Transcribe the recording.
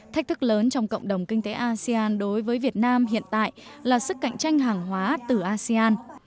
thách thức lớn trong cộng đồng kinh tế asean đối với việt nam hiện tại là sức cạnh tranh hàng hóa từ asean